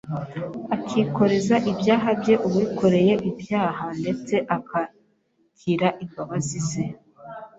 akikoreza ibyaha bye Uwikoreye ibyaha ndetse akakira imbabazi ze.